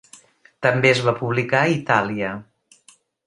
També es va publicar a Itàlia.